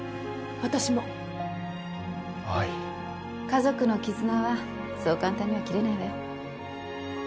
家族の絆はそう簡単には切れないわよ。